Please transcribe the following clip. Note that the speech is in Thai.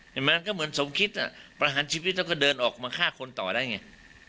มันก็เหมือนสมคิดประหารชีวิตแล้วก็เดินออกมาฆ่าคนต่อได้ไง